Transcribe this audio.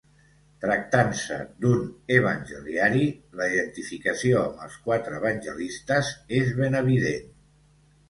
Tractant-se d'un evangeliari, la identificació amb els quatre evangelistes és ben evident.